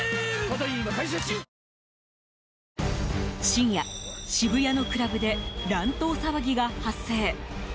深夜、渋谷のクラブで乱闘騒ぎが発生。